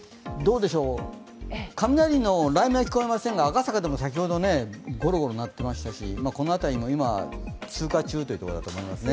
雷の雷鳴は聞こえませんが、赤坂でも先ほどゴロゴロ鳴ってましたし、この辺りも今、通過中というところですね。